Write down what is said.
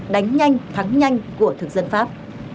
đánh nhanh thắng nhanh của thực dân pháp